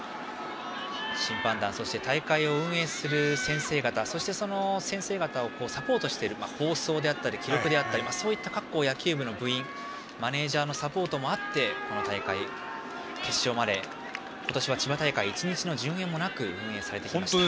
審判団、大会を運営する先生方その先生方をサポートしている放送であったり記録であったりそういった各校野球部の部員マネージャーのサポートもあってこの大会、決勝まで今年は千葉大会今年の千葉大会１日の順延もなく行われています。